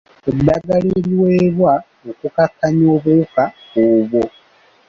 Eddagala eribaweebwa okukkakkanya obwoka obwo.